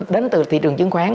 đến từ thị trường chứng khoán